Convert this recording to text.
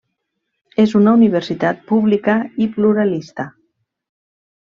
És una universitat pública i pluralista.